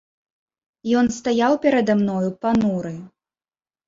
Ён стаяў перада мною пануры.